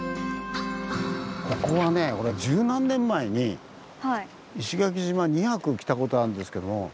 ここはね俺十何年前に石垣島２泊来たことあるんですけども。